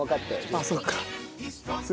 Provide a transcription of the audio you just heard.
あっそっか。